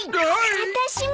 あたしも！